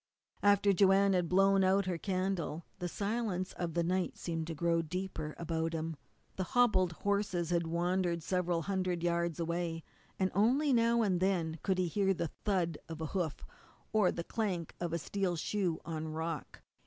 After Joanne had blown out her candle the silence of the night seemed to grow deeper about him. The hobbled horses had wandered several hundred yards away, and only now and then could he hear the thud of a hoof, or the clank of a steel shoe on rock.